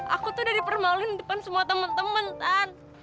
aku tuh udah dipermaluin depan semua temen temen tan